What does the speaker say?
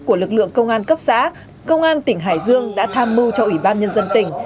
của lực lượng công an cấp xã công an tỉnh hải dương đã tham mưu cho ủy ban nhân dân tỉnh